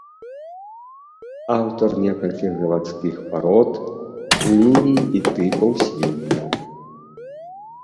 Аўтар некалькіх завадскіх парод, ліній і тыпаў свінняў.